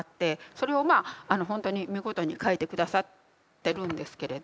それをまあほんとに見事に書いて下さってるんですけれど。